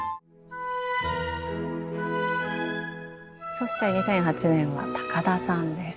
そして２００８年は高田さんです。